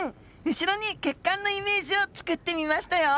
後ろに血管のイメージを作ってみましたよ。